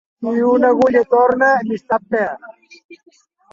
Qui una agulla torna, amistat perd.